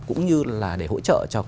cũng như là để hỗ trợ cho